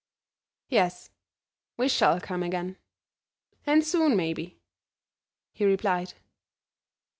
"Yes, we shall come again, and soon maybe," he replied.